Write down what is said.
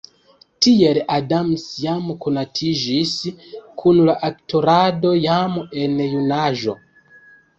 Tiel Adams jam konatiĝis kun la aktorado jam en junaĝo.